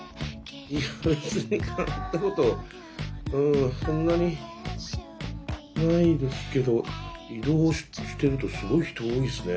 いや別に変わったことうんそんなにないですけど移動してるとすごい人多いですね